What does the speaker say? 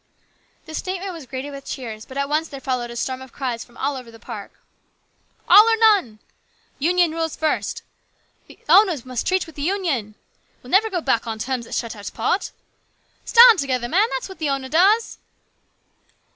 This statement was greeted with cheers, but at once there followed a storm of cries from all over the park. "All or none!" " Union rules first." " The owners must treat with the Union." " We'll never go back on terms that shut out part." " Stand together, men ! That's what the owners does."